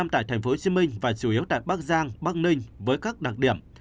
một trăm linh tại tp hcm và chủ yếu tại bắc giang bắc ninh với các đặc điểm